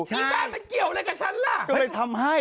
อีบ้ามันเกี่ยวอะไรกับฉันล่ะเธอเลยทำให้